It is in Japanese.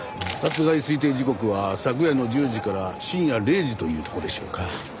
殺害推定時刻は昨夜の１０時から深夜０時というとこでしょうか。